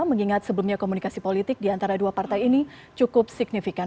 mengingat sebelumnya komunikasi politik di antara dua partai ini cukup signifikan